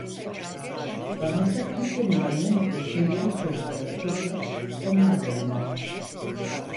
Dahası kimsenin oynamadığı çingene çocukları toplar onlarla oynarmış.